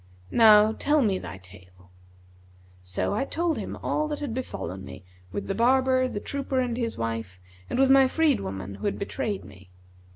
Now tell me thy tale.' So I told him all that had befallen me with the barber, the trooper and his wife and with my freed woman who had betrayed me.